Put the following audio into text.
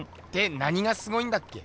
何がすごいんだっけ？